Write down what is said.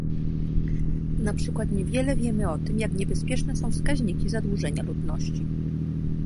Na przykład, niewiele wiemy o tym, jak niebezpieczne są wskaźniki zadłużenia ludności